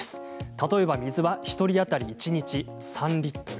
例えば水は、１人当たり１日３リットル。